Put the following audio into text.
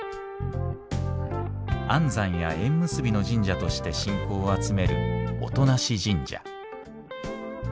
安産や縁結びの神社として信仰を集める音無神社。